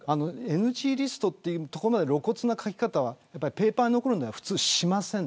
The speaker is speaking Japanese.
ＮＧリストという露骨な書き方はペーパーに残るので普通はしません。